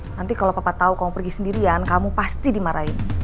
nanti kalau papa tahu kamu pergi sendirian kamu pasti dimarahin